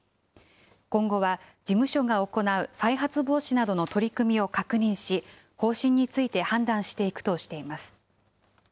今後は、事務所が行う再発防止などの取り組みを確認し、方針について判断していくとしています。